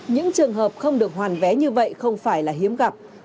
những trường hợp không được hoàn vé như vậy không phải là hiếm gặp